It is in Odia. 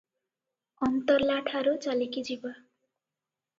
ଅନ୍ତର୍ଲାଠାରୁ ଚାଲିକି ଯିବା ।